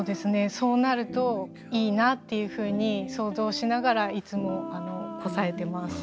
そうなるといいなっていうふうに想像しながらいつもこさえてます。